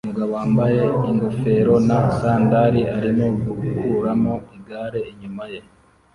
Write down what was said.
Umugabo wambaye ingofero na sandali arimo gukuramo igare inyuma ye